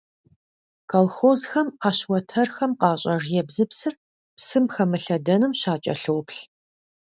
Колхозхэм Ӏэщ уэтэрхэм къащӀэж ебзыпсыр псым хэмылъэдэным щакӀэлъоплъ.